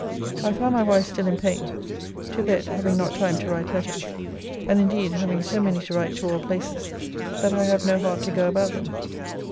I found my wife still in pain. To bed, having not time to write letters, and indeed having so many to write to all places that I have no heart to go about them.